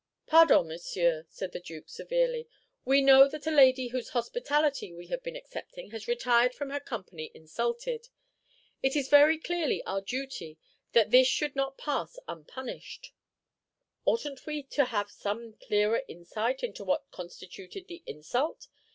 "Pardon, monsieur," said the Duke, severely. "We know that a lady whose hospitality we have been accepting has retired from her company insulted. It is very clearly our duty that this should not pass unpunished." "Oughtn't we to have some clearer insight into what constituted the insult?